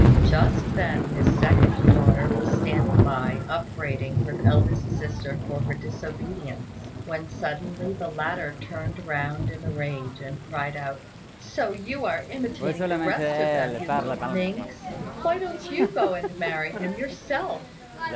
Just then his second daughter was standing by upbraiding her elder sister for her disobedience, when suddenly the latter turned round in a rage, and cried out, "So you are imitating the rest of them, you little minx; why don't you go and marry him yourself?"